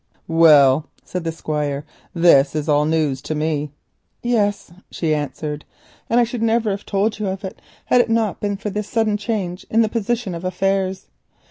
"Well," said the Squire, "this is all new to me." "Yes," she answered, "and I should never have told you of it had it not been for this sudden change in the position of affairs.